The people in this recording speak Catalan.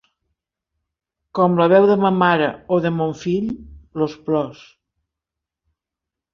Com la veu de ma mare o de mon fill los plors.